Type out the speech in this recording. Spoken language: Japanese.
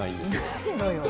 ないのよ。